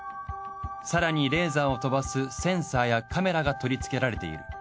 更にレーザーを飛ばすセンサーやカメラが取り付けられている。